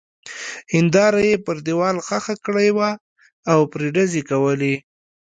هېنداره يې پر دېوال ښخه کړې وه او پرې ډزې کولې.